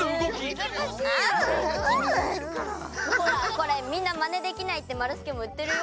これみんなマネできないってまるすけもいってるよ。